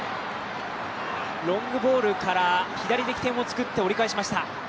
ロングボールから左で起点をつくって折り返しました。